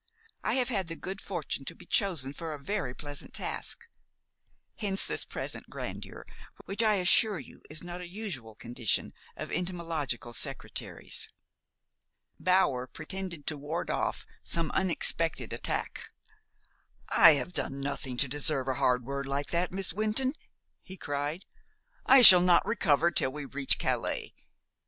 I have had the good fortune to be chosen for a very pleasant task. Hence this present grandeur, which, I assure you, is not a usual condition of entomological secretaries." Bower pretended to ward off some unexpected attack. "I have done nothing to deserve a hard word like that, Miss Wynton," he cried. "I shall not recover till we reach Calais.